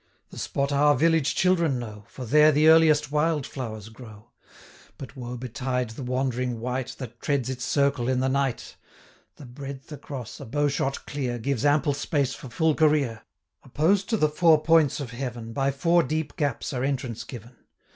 The spot our village children know, For there the earliest wild flowers grow; But woe betide the wandering wight, That treads its circle in the night! 445 The breadth across, a bowshot clear, Gives ample space for full career; Opposed to the four points of heaven, By four deep gaps are entrance given.